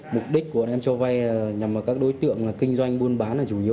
mục đích của bọn em cho vai nhằm vào các đối tượng kinh doanh buôn bán là chủ yếu